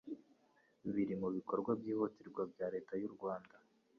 biri mu bikorwa byihutirwa bya leta y'u Rwanda.